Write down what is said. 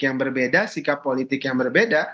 yang berbeda sikap politik yang berbeda